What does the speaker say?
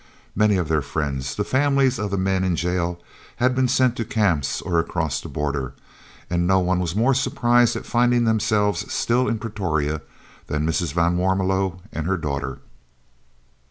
Many of their friends, the families of the men in jail, had been sent to Camps or across the border, and no one was more surprised at finding themselves still in Pretoria than Mrs. van Warmelo and her daughter.